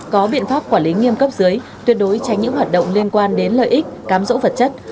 có biện pháp quản lý nghiêm cấp dưới tuyệt đối tránh những hoạt động liên quan đến lợi ích cám dỗ vật chất